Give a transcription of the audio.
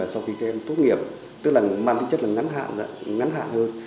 sau khi tốt nghiệp tức là mang tích chất ngắn hạn hơn